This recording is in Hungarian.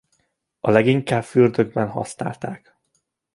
A leginkább fürdőkben használták.